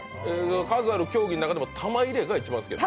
数ある競技の中でも玉入れが一番好きなの？